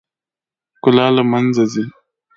ښکلا له منځه ځي .